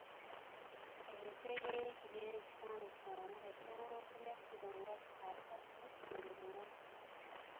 Ente ey’ekigero ekisaamusaamu esobola okulya kkilo nga asatu buli lunaku.